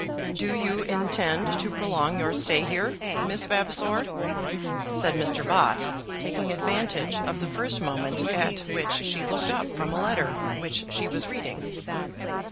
"Do you intend to prolong your stay here, Miss Vavasor?" said Mr. Bott, taking advantage of the first moment at which she looked up from a letter which she was reading.